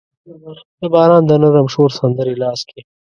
د باران د نرم شور سندرې لاس کې